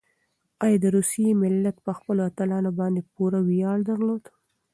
ایا د روسیې ملت په خپلو اتلانو باندې پوره ویاړ درلود؟